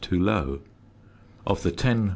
too low. Of the ten .